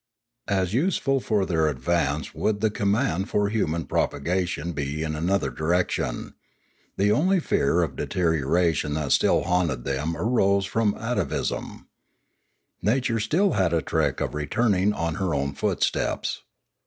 As useful for their advance would the command of human propagation be in another direction. The only fear of deterioration that still haunted them arose from atavism. Nature had still a trick of returning on her own footsteps.